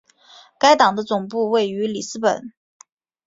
该党的总部位于里斯本。